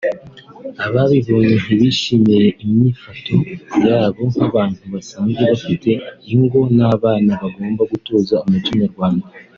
Ababibonye ntibishimiye imyifato yabo nk’abantu basanzwe bafite ingo n’abana bagomba gutoza umuco nyarwanda